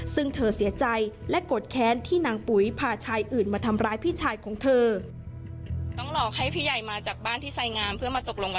ซึ่งเธอเสียใจและโกรธแค้นที่นางปุ๋ยพาชายอื่นมาทำร้ายพี่ชายของเธอ